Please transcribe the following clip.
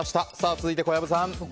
続いて、小籔さん。